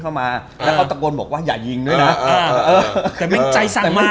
แต่แม่งใจสั่งมาอย่างนี้เหรอลูกยิงใจสั่งมา